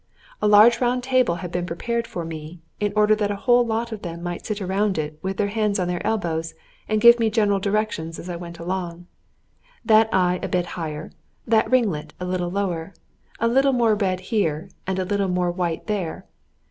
A large round table had been prepared for me, in order that a whole lot of them might sit around it with their hands on their elbows, and give me general directions as I went along: That eye a bit higher! that ringlet a little lower! A little more red here, and a little more white there!